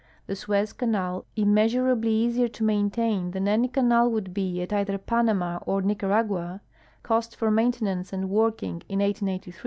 The Suez canal, immeasurably easier to maintain than any canal would he at either Panama or Nicaragua, cost for maintenance and working in 1883 $2,784,869.